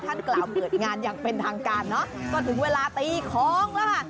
ท่านกล่าวเปิดงานอย่างเป็นทางการเนอะก็ถึงเวลาตีของแล้วค่ะ